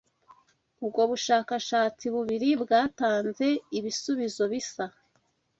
Ubwo bushakashatsi bubiri bwatanze ibisubizo bisa.